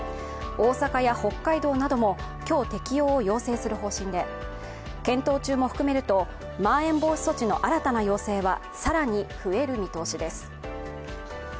大阪や北海道なども今日、適用を要請する方針で検討中も含めるとまん延防止措置の新たな要請は更に増える見込みです。